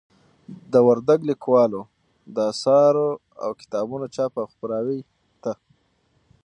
د وردگ ليكوالو د آثارو او كتابونو چاپ او خپراوي ته